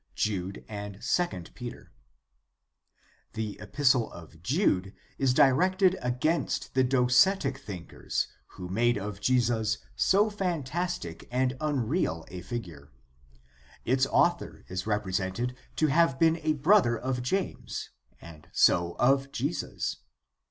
Jude and II Peter. — The Epistle of Jude is directed against the docetic thinkers who made of Jesus so fantastic and unreal a figure. Its author is represented to have been a brother of James and so of Jesus.